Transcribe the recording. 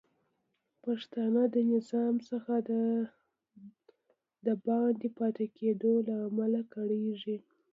پښتانه د نظام څخه د باندې پاتې کیدو له امله کړیږي